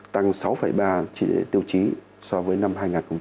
tăng sáu ba tiêu chí so với năm hai nghìn một mươi một